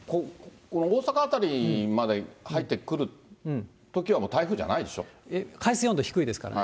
この大阪辺りまで入ってくるときは、海水温度低いですからね。